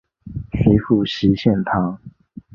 随父徙钱塘。